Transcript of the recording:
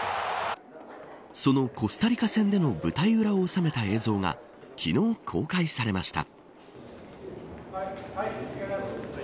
そのコスタリカ戦での舞台裏を収めた映像が昨日、公開されました。